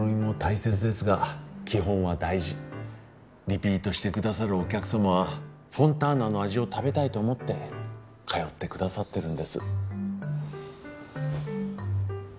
リピートしてくださるお客様はフォンターナの味を食べたいと思って通ってくださってるんです。